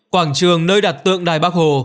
quảng trường nơi đặt tượng đài bắc hồ